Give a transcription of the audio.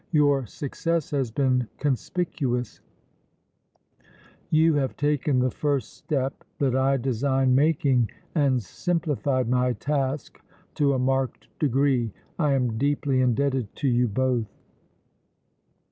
Your success has been conspicuous; you have taken the first step that I designed making and simplified my task to a marked degree. I am deeply indebted to you both."